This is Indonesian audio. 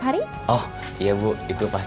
gue mau berakik dan kari